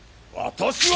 私は。